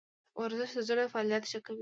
ورزش د زړه فعالیت ښه کوي